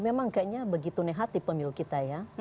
memang kayaknya begitu nehat di pemilu kita ya